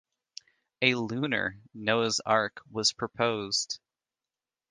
A Lunar Noah's Ark was proposed.